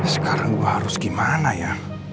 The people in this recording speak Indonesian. sekarang gue harus gimana ya